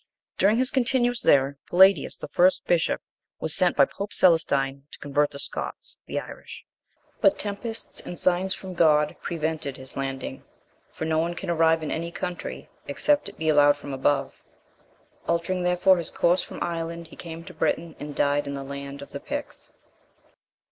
During his continuance there, Palladius, the first bishop, was sent by pope Celestine to convert the Scots (the Irish). But tempests and signs from God prevented his landing, for no one can arrive in any country, except it be allowed from above; altering therefore his course from Ireland, he came to Britain and died in the land of the Picts.